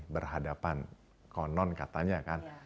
berhadapan konon katanya kan